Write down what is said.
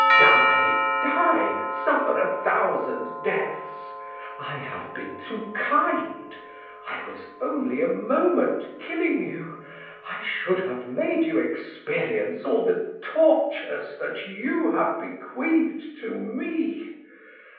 Die, die, suffer a thousand deaths! I have been too kind I was only a moment killing you. I should have made you experience all the tortures that you have bequeathed to me.